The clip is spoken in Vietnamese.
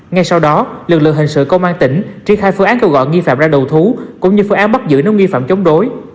ngay sau đó lực lượng hình sự công an tỉnh triển khai phương án kêu gọi nghi phạm ra đầu thú cũng như phương án bắt giữ nếu nghi phạm chống đối